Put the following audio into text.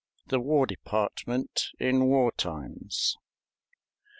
THE WAR DEPARTMENT IN WAR TIMES.